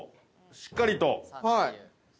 しっかりと。